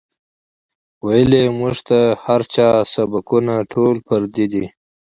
وئیلـي مونږ ته هـر چا سبقــونه ټول پردي دي